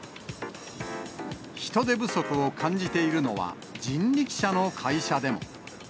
人手不足を感じているのは、人力車の会社でも。